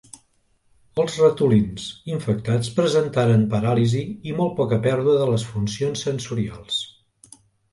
Els ratolins infectats presentaren paràlisi i molt poca pèrdua de les funcions sensorials.